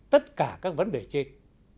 tất cả các vấn đề trên